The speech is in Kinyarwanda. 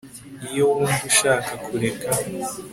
iyo wumva ushaka kureka